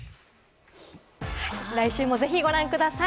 来週もぜひご覧ください。